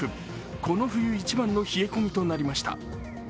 この冬一番の冷え込みとなりました。